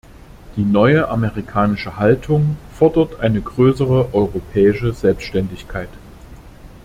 Die neue amerikanische Haltung fordert eine größere europäische Selbständigkeit.